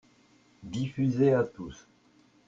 Diffuser à tous.